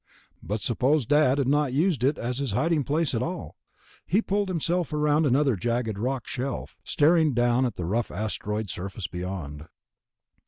But suppose Dad had not used it as his hiding place at all? He pulled himself around another jagged rock shelf, staring down at the rough asteroid surface beyond....